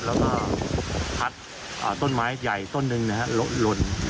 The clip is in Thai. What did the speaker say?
แล้วก็พัดต้นไม้ใหญ่ต้นหนึ่งนะฮะหล่น